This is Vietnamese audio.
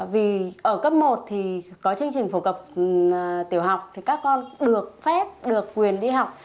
vì ở cấp một thì có chương trình phổ cập tiểu học thì các con được phép được quyền đi học